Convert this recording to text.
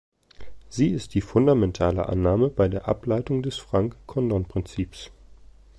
Sie ist die fundamentale Annahme bei der Ableitung des Franck-Condon-Prinzips.